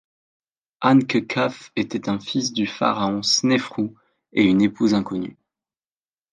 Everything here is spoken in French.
Ânkhkhâf était un fils du pharaon Snéfrou et une épouse inconnue.